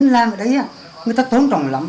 làm ở đấy người ta tôn trọng lắm